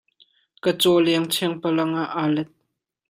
Kan cawleng chengpalang ah aa let.